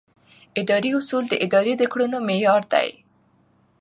اداري اصول د ادارې د کړنو معیار دي.